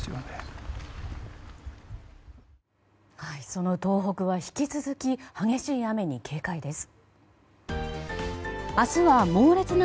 その東北は引き続き激しい雨に警戒です。